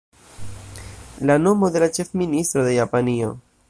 La nomo de la ĉefministro de Japanio.